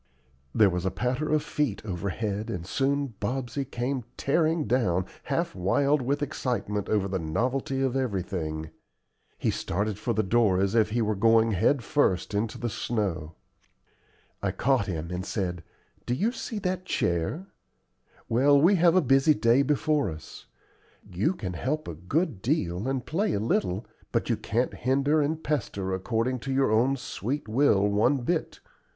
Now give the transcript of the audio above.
There was a patter of feet overhead, and soon Bobsey came tearing down, half wild with excitement over the novelty of everything. He started for the door as if he were going head first into the snow. I caught him, and said: "Do you see that chair? Well, we all have a busy day before us. You can help a good deal, and play a little, but you can't hinder and pester according to your own sweet will one bit.